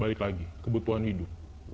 balik lagi kebutuhan hidup